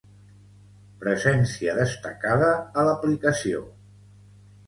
Presència destacada a l'aplicació